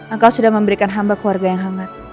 engkau sudah memberikan hamba keluarga yang hangat